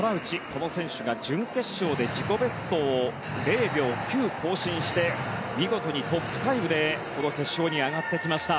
この選手が準決勝で自己ベストを０秒９更新して見事にトップタイムでこの決勝に上がってきました。